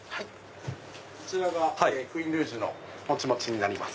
こちらがクイーンルージュのもちもちになります。